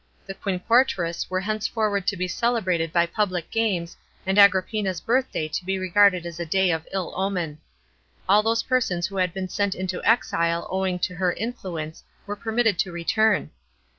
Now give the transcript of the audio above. The Quinqnatrus were henceforward to be celebrated by public Barnes, and Agrippina's birthday to be regarded as a day of ill omen. All those persons who had been sent, into exile owing to her influence were permitted to return.